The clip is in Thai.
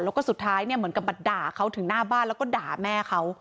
แล้วก็สุดท้ายเนี่ยเหมือนกับมาด่าเขาถึงหน้าบ้านแล้วก็ด่าแม่เขา